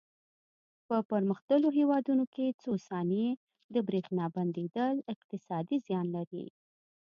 په پرمختللو هېوادونو کې څو ثانیې د برېښنا بندېدل اقتصادي زیان لري.